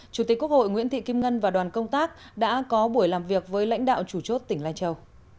chủ tịch quốc hội nguyễn thị kim ngân và đoàn công tác đã có buổi làm việc với lãnh đạo chủ chốt tỉnh lai châu